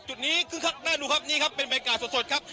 จุดนี้คึกคักน่าดูครับนี่ครับเป็นบรรยากาศสดครับ